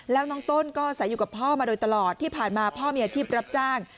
แล้วน้องต้นก็ใส่อยู่กับพ่อมาโดยตลอดที่ผ่านมาพ่อมีอาชีพรับจ้าง